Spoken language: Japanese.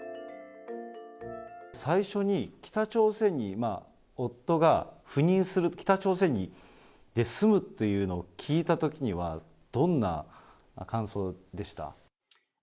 最初に北朝鮮に夫が赴任する、北朝鮮に住むというのを聞いたときには、どんな感想でした？